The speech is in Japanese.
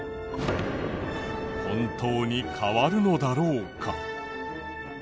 本当に変わるのだろうか？